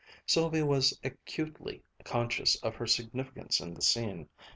Sylvia was acutely conscious of her significance in the scene.